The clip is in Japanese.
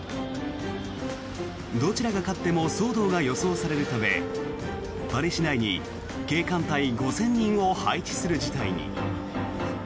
どちらが勝っても騒動が予想されるためパリ市内に警官隊５０００人を配置する事態に。